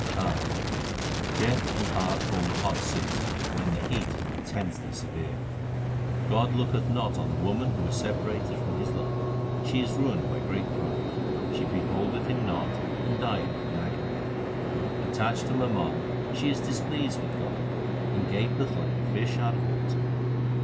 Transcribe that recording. CHHANT Jeth and Har form the hot season when the heat is in tensely severe. God looketh not on the woman who is separated from His love. She is ruined by great pride ; she beholdeth Him not, and dieth in agony. Attached to mammon she is displeased with God, and gaspeth like a fish out of water.